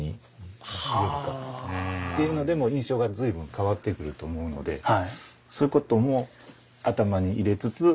っていうのでも印象が随分変わってくると思うのでそういうことも頭に入れつつ。